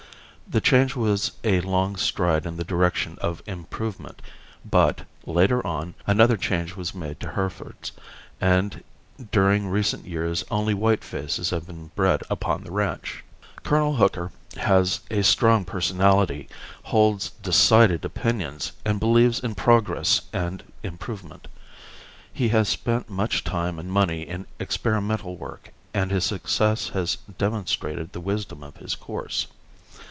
The change was a long stride in the direction of improvement, but, later on, another change was made to Herefords, and during recent years only whitefaces have been bred upon the ranch. Col. Hooker has a strong personality, holds decided opinions and believes in progress and improvement. He has spent much time and money in experimental work, and his success has demonstrated the wisdom of his course.